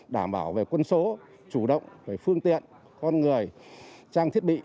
đảm bảo về quân số chủ động về phương tiện con người trang thiết bị